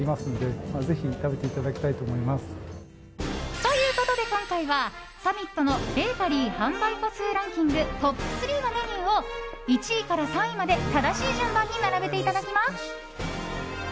ということで今回はサミットのベーカリー販売個数ランキングトップ３のメニューを１位から３位まで正しい順番に並べていただきます。